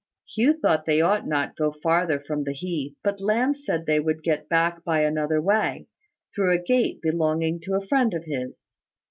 Hugh thought they ought not to go farther from the heath: but Lamb said they would get back by another way, through a gate belonging to a friend of his.